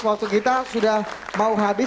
waktu kita sudah mau habis